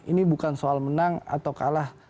ini bukan soal menang atau kalah